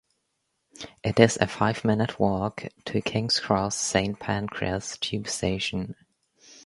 It is a five-minute walk to King's Cross Saint Pancras tube station.